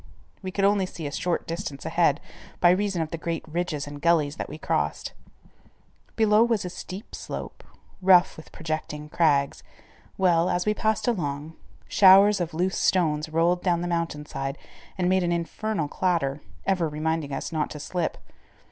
We could only see a short distance ahead by reason of the great ridges and gullies that we crossed. Below us was a steep slope, rough with projecting crags, while, as we passed along, showers of loose stones rolled down the mountain side and made an infernal clatter, ever reminding us not to slip.